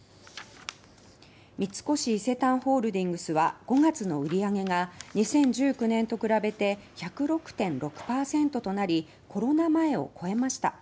三越伊勢丹ホールディングスは５月の売り上げが２０１９年と比べて１０６．６％となりコロナ前を超えました。